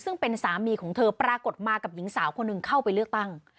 ซึ่งเป็นสามีของเธอปรากฏมากับหญิงสาวคนหนึ่งเข้าไปเลือกตั้ง